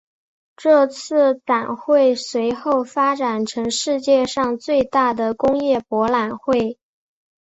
这次展会随后发展成世界上最大的工业博览会。